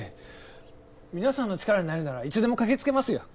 皆さんの力になれるならいつでも駆けつけますよ